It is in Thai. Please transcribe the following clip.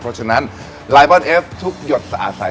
เพราะฉะนั้นลายบอลเอฟทุกหยดสะอาดใส